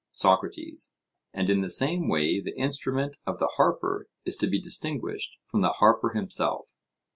SOCRATES: And in the same way the instrument of the harper is to be distinguished from the harper himself?